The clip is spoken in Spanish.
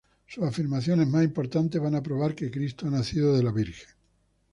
Sus afirmaciones más importantes van a probar que Cristo ha nacido de la Virgen.